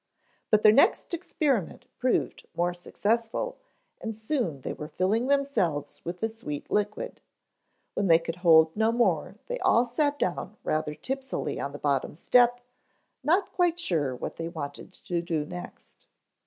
But their next experiment proved more successful and soon they were filling themselves with the sweet liquid. When they could hold no more they all sat down rather tipsily on the bottom step, not quite sure what they wanted to do next.